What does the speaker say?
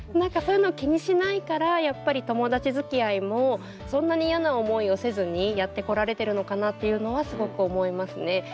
そういうのを気にしないからやっぱり友達づきあいもそんなに嫌な思いをせずにやってこられてるのかなっていうのはすごく思いますね。